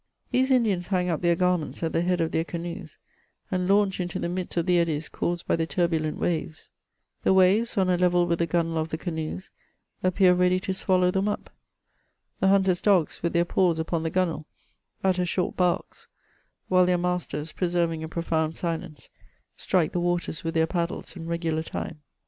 These Indians hang up their garments at the head of their canoes, and launch into the midst of the eddies caused by the turbulent waves. The waves, on a level with the gunwale of the canoes, appear ready to swallow tiiem up. The hunters* dogs, with their paws upon the gunwale, utter short barks, while their masters, preserving a profound silence, strike the waters with their paddles in regular time.